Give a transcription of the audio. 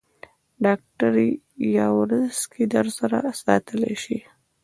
ډاکټر یاورسکي در سره ساتلای شې.